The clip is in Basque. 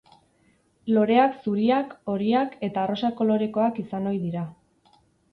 Loreak zuriak, horiak eta arrosa kolorekoak izan ohi dira.